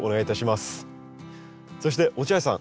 そして落合さん